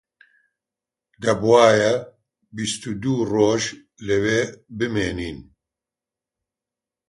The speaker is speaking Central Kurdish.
دەبوایە بیست و دوو ڕۆژ لەوێ بمێنین